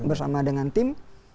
bersama dengan tim